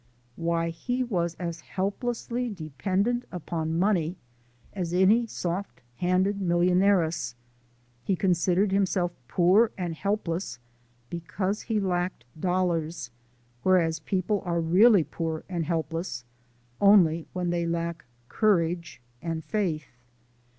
Why, he was as helplessly, dependent upon money as any soft handed millionairess. He considered himself poor and helpless because he lacked dollars, whereas people are really poor and helpless only when they lack courage and faith.